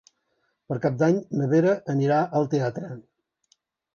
Per Cap d'Any na Vera anirà al teatre.